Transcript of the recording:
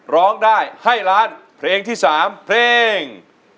ร้องได้ให้ล้านเพลงที่๓เพลง